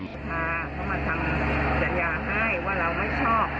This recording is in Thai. เขามาทำสัญญาให้ว่าเราไม่ชอบตรงนี้